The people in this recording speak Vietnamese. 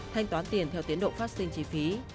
thanh toán tiền theo tiến độ phát sinh chi phí